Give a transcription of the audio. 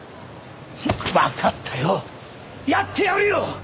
わかったよやってやるよ！